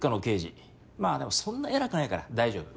まぁでもそんな偉くないから大丈夫。